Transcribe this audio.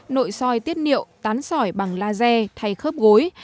nội soi tiết niệu tán sỏi bằng laser thay khớp gối